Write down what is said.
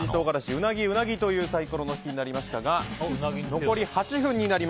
うなぎ、うなぎというサイコロになりましたが残り８分です。